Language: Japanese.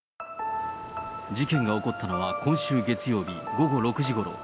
事件が起こったのは今週月曜日午後６時ごろ。